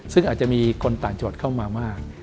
ซึ่งอาจจะมีคนต่างจังหวัดเข้ามามาก